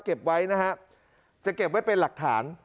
เก็บไว้นะฮะจะเก็บไว้เป็นหลักฐาน